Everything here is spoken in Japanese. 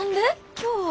今日は。